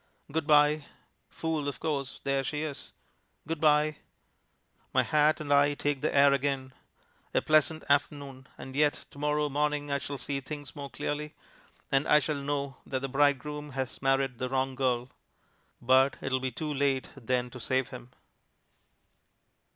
"Good bye!" Fool of course there she is. "Good Bye!" My hat and I take the air again. A pleasant afternoon; and yet to morrow morning I shall see things more clearly, and I shall know that the bridegroom has married the wrong girl. But it will be too late then to save him.